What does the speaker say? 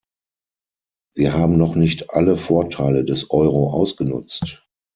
Wir haben noch nicht alle Vorteile des Euro ausgenutzt.